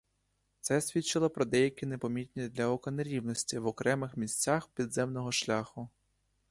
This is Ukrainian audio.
Це свідчило про деякі непомітні для ока нерівності в окремих місцях підземного шляху.